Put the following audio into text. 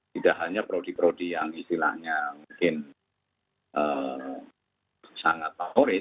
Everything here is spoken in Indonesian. tidak hanya prodi prodi yang istilahnya mungkin sangat favorit